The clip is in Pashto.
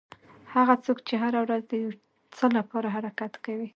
هغه څوک چې هره ورځ د یو څه لپاره حرکت کوي.